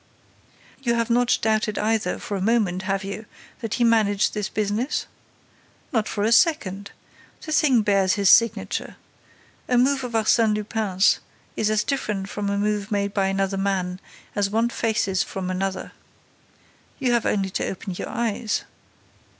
"You have not doubted either, for a moment have you, that he managed this business?" "Not for a second! The thing bears his signature. A move of Arsène Lupin's is as different from a move made by another man as one face is from another. You have only to open your eyes."